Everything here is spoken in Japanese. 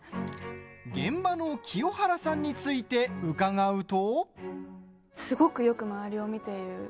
現場の清原さんについて伺うと。